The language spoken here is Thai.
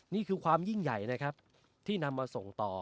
นี่คือความยิ่งใหญ่นะครับที่นำมาส่งต่อ